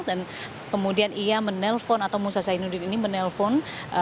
dan kemudian ia menelpon atau musa sayyidudin ini menelpon